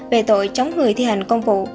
về tội chống người thi hành công vụ